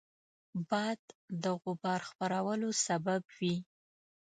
باد د غبار خپرولو سبب وي